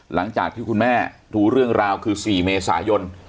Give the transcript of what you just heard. หลังจากที่คุณแม่รู้เรื่องราวคือ๔เมษายน